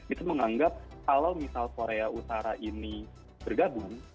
itu menganggap kalau misal korea utara ini bergabung